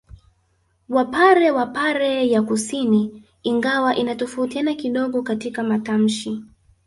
Wapare wa pare ya kusini ingawa inatofautiana kidogo katika matamshi